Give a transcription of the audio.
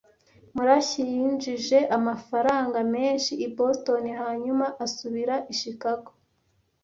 Murashyi yinjije amafaranga menshi i Boston hanyuma asubira i Chicago.